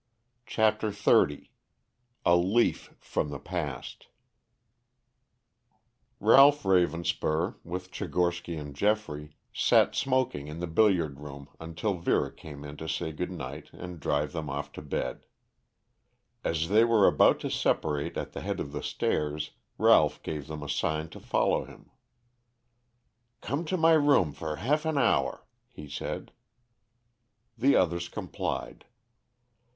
CHAPTER XXX A LEAF FROM THE PAST Ralph Ravenspur, with Tchigorsky and Geoffrey, sat smoking in the billiard room until Vera came in to say good night and drive them off to bed. As they were about to separate at the head of the stairs Ralph gave them a sign to follow him. "Come to my room for half an hour," he said. The others complied.